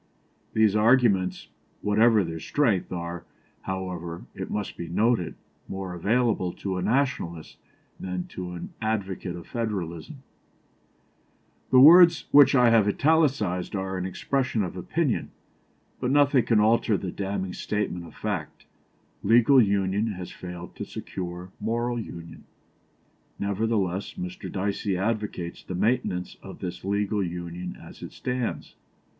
_These arguments, whatever their strength, are, however, it must be noted, more available to a Nationalist than to an advocate of federalism_." The words which I have italicised are an expression of opinion; but nothing can alter the damning statement of fact "legal union has failed to secure moral union." Nevertheless, Mr. Dicey advocates the maintenance of this legal union as it stands.